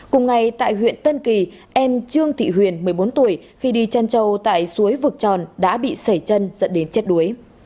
cùng ngày tại huyện tân kỳ em trương thị huyền một mươi bốn tuổi khi đi chăn trâu tại suối vực tròn đã bị sẩy chân dẫn đến chết đuối